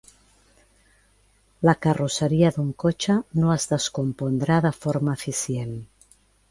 La carrosseria d'un cotxe no es descompondrà de forma eficient.